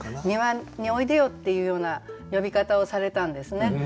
「庭においでよ」っていうような呼び方をされたんですね。